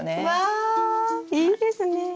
わいいですね。